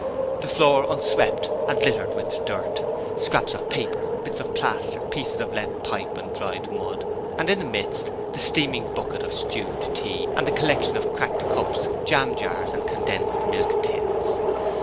The floor unswept and littered with dirt, scraps of paper, bits of plaster, pieces of lead pipe and dried mud; and in the midst, the steaming bucket of stewed tea and the collection of cracked cups, jam jam and condensed milk tins.